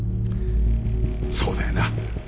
そうだよな。